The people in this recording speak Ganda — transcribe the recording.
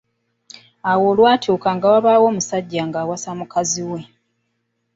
Awo lwatuuka nga wabaawo omusajja ng’awasa mukazi we